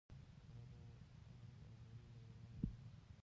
رب او غوړي له ایران راځي.